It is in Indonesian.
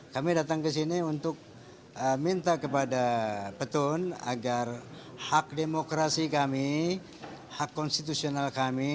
kami datang ke sini untuk minta kepada petun agar hak demokrasi kami hak konstitusional kami